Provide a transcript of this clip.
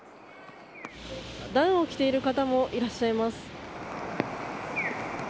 ダウンを着ている方もいらっしゃいます。